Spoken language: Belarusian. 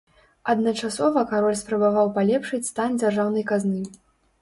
Адначасова кароль спрабаваў палепшыць стан дзяржаўнай казны.